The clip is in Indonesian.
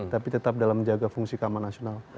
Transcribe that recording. tapi tetap dalam menjaga fungsi kamar nasional